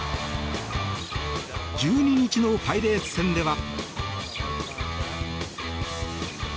１２日のパイレーツ戦では。